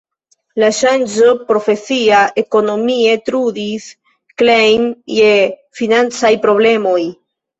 Tia ŝanĝo profesia ekonomie trudis Klein je financaj problemoj.